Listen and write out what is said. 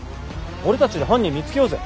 俺たちで犯人見つけようぜ。